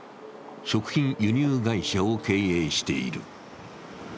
食品輸入会社を経営している。